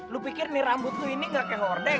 lo pikir nih rambut lo ini nggak kayak horden